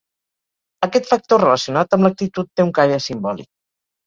Aquest factor relacionat amb l'actitud té un caire simbòlic.